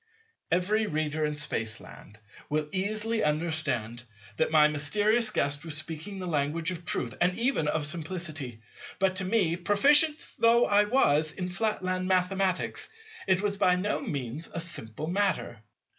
Every reader in Spaceland will easily understand that my mysterious Guest was speaking the language of truth and even of simplicity. But to me, proficient though I was in Flatland Mathematics, it was by no means a simple matter.